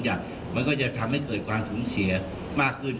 มันก็จะทำให้เกิดความสูญเสียมากขึ้น